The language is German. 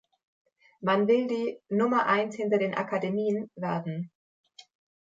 Man will die „Nummer eins hinter den Akademien“ werden.